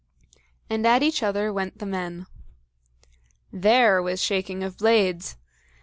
And at each other went the men. There was shaking of blades!